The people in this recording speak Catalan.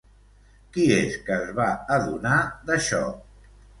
Qui és que es va adonar d'això?